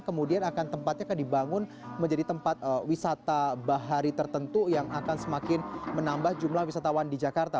kemudian akan tempatnya akan dibangun menjadi tempat wisata bahari tertentu yang akan semakin menambah jumlah wisatawan di jakarta